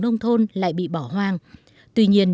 nông thôn lại bị bỏ hoang tuy nhiên